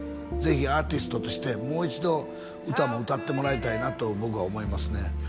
ぜひアーティストとしてもう一度歌も歌ってもらいたいなと僕は思いますね